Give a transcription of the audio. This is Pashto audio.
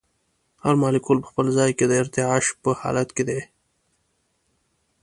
هر مالیکول په خپل ځای کې د ارتعاش په حال کې دی.